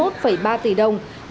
một trăm hai mươi một ba tỷ đồng